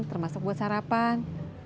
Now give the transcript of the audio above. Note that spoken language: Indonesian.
termasuk buat sarapan